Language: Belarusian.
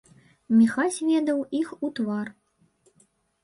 Міхась ведаў іх у твар.